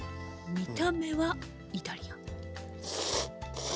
見た目はイタリアン。